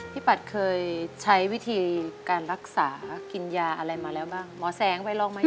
ปัดเคยใช้วิธีการรักษากินยาอะไรมาแล้วบ้างหมอแสงไปลองไหม